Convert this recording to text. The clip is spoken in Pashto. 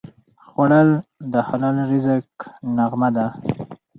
خوړل د حلال رزق نغمه ده